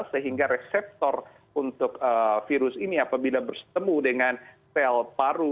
sehingga reseptor untuk virus ini apabila bertemu dengan sel paru